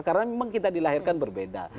karena memang kita dilahirkan berbeda